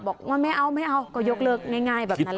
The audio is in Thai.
บอกว่าไม่เอาก็ยกเลิกง่ายแบบนั้นแหละ